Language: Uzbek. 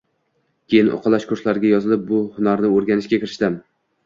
Keyin uqalash kurslariga yozilib, bu hunarni o'rganishga kirishdim